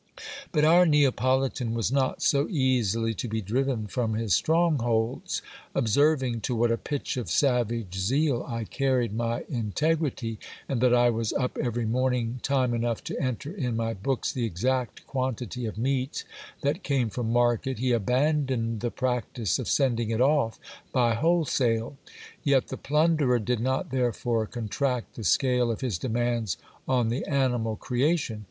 But our Neapolitan was not so easily to be driven from his strongholds. Observing to what a pitch of savage zeal I carried my integrity, and that I was up every morning time enough to enter in my books the exact quantity of meat that came from market, he abandoned the practice of sending it off by whole sale : yet the plunderer did not therefore contract the scale of his demands on the animal creation.